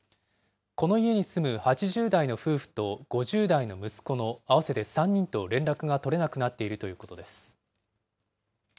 この家に住む８０代の夫婦と、５０代の息子の合わせて３人と連絡が取れなくなっているということです。